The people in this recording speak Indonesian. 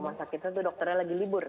rumah sakit itu dokternya sedang berhenti